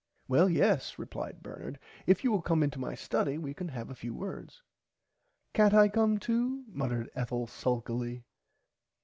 Well yes replied Bernard if you will come into my study we can have a few words. Cant I come too muttered Ethel sulkily.